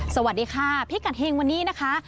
สวัสดีค่ะพิกัดเฮงวันนี้นะคะ